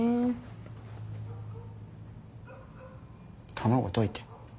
卵溶いて。